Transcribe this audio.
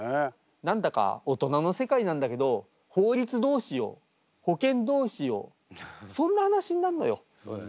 何だか大人の世界なんだけど法律どうしよう保険どうしようそんな話になんのよ。